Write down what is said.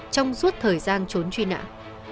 trong suốt thời gian trốn truy nạn